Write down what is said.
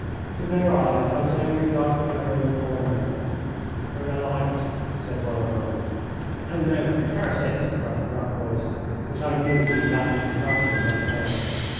To their eyes I was only a dark blur in the corner. "Bring a light," said one of them. "No, no; curse it!" cried a rough voice, which I knew to be that of the ruffian, Matteo.